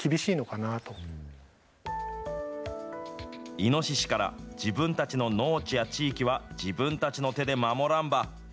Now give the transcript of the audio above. イノシシから自分たちの農地や地域は自分たちの手で守らんば。